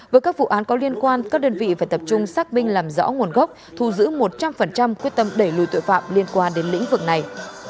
với các vụ án có liên quan các đơn vị phải tập trung xác minh làm rõ nguồn gốc thu giữ một trăm linh quyết tâm đẩy lùi tội phạm liên quan đến lĩnh vực này